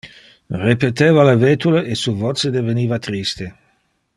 Repeteva le vetule, e su voce deveniva triste.